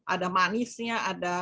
ada manisnya ada